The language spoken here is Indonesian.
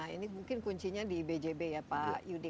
ini mungkin kuncinya di bjb ya pak yudi